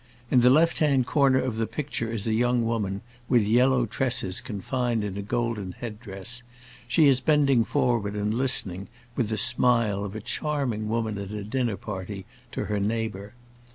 In the left hand corner of the picture is a young woman with yellow tresses confined in a golden head dress; she is bending forward and listening, with the smile of a charming woman at a dinner party, to her neighbor.